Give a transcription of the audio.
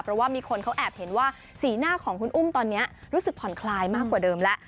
เพราะว่ามีคนเขาแอบเห็นว่าสีหน้าของคุณอุ้มตอนนี้รู้สึกผ่อนคลายมากกว่าเดิมแล้ว